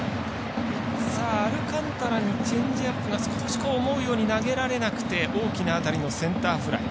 アルカンタラにチェンジアップが少し思うように投げられなくて大きな当たりのセンターフライ。